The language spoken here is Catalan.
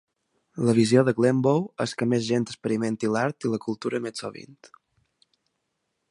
La visió de Glenbow és que més gent experimenti l'art i la cultura més sovint.